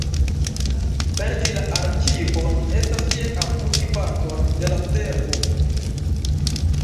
Perdi la arkivon estas kiel amputi parton de la cerbo.